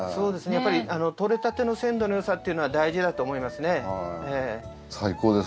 やっぱり採れたての鮮度の良さっていうのは大事だと思いますね。